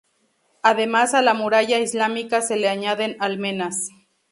Además a la muralla islámica se le añaden almenas.